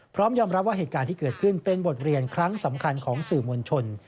พร้อมยอมรับว่าเหตุการณ์ที่เกิดขึ้นเป็นบทเรียนครั้งสำคัญของสื่อมวลชน